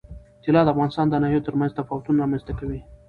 طلا د افغانستان د ناحیو ترمنځ تفاوتونه رامنځ ته کوي.